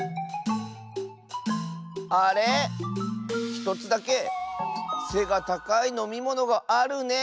１つだけせがたかいのみものがあるね。